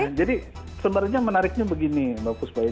iya jadi sebenarnya menariknya begini mbak busta